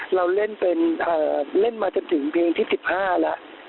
เราเล่นมาจนถึงเพลงที่สิบห้าละ